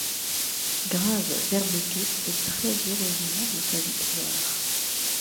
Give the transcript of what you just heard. Grave Verbeke est très heureusement de sa victoire.